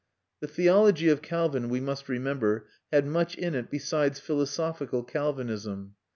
The theology of Calvin, we must remember, had much in it besides philosophical Calvinism.